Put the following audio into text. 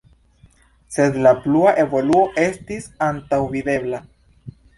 Sed la plua evoluo estis antaŭvidebla.